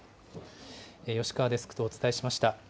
吉川デスクとお伝えしました。